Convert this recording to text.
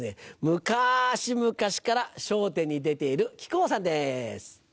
むかしむかしから『笑点』に出ている木久扇さんです。